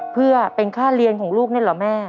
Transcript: เพื่อเป็นค่าเรียนของลูกนี่เหรอแม่